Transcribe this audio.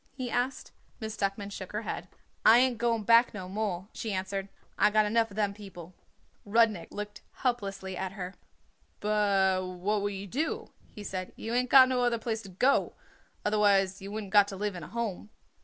he asked. Miss Duckman shook her head. "I ain't going back no more," she answered. "I got enough of them people." Rudnik looked helplessly at her. "But what would you do?" he said. "You ain't got no other place to go to, otherwise you wouldn't got to live in a Home."